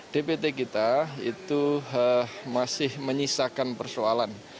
dpt kita itu masih menyisakan persoalan